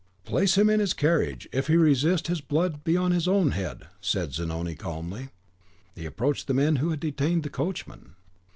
"Place him in his carriage! If he resist, his blood be on his own head!" said Zanoni, calmly. He approached the men who had detained the coachman.